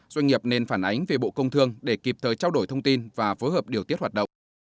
doanh nghiệp nên phản ánh về bộ công thương để kịp thời trao đổi thông tin và phối hợp điều tiết hoạt động